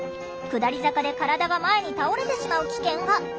下り坂で体が前に倒れてしまう危険が。